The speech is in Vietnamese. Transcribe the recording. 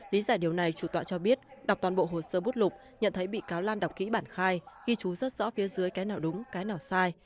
lý giải điều này chủ tọa cho biết đọc toàn bộ hồ sơ bút lục nhận thấy bị cáo lan đọc kỹ bản khai ghi chú rất rõ phía dưới cái nào đúng cái nào sai